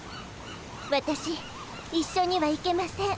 わたし一緒には行けません。